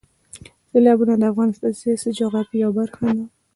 سیلابونه د افغانستان د سیاسي جغرافیې یوه برخه ده.